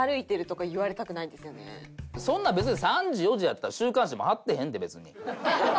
そんなん別に３時４時やったら週刊誌も張ってへんって別に。